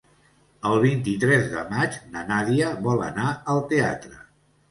El vint-i-tres de maig na Nàdia vol anar al teatre.